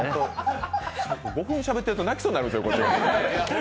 しゃべってると泣きそうになるんですよ。